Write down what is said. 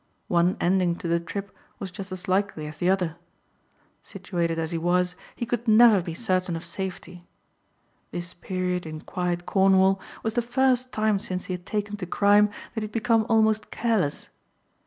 One ending to the trip was just as likely as the other. Situated as he was he could never be certain of safety. This period in quiet Cornwall was the first time since he had taken to crime that he had become almost careless.